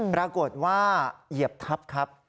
ปรากฏว่าเหยียบทับครับ